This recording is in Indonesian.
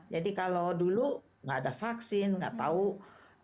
jadi kalau dulu nggak ada vaksin nggak tahu penyakit penyakit